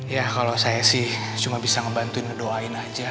ya kalau saya sih cuma bisa ngebantuin ngedoain aja